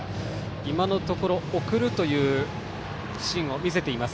今のところ送るというシーンを見せています